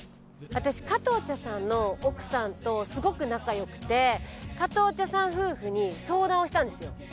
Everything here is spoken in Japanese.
私加藤茶さんの奥さんとすごく仲良くて加藤茶さん夫婦に相談をしたんですよ